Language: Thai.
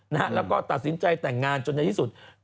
แล้วก็ตัดสินใจแต่งงานจนในที่สุด